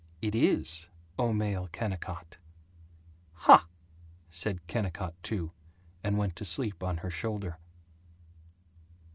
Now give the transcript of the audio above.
"It is, O male Kennicott!" "Huh!" said Kennicott II, and went to sleep on her shoulder.